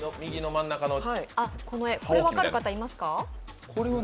これ、分かる方いますか？